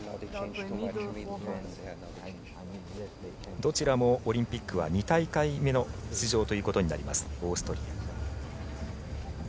どちらもオリンピックは２大会目の出場となりますオーストリア。